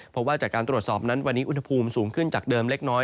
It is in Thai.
เพราะว่าจากการตรวจสอบนั้นวันนี้อุณหภูมิสูงขึ้นจากเดิมเล็กน้อย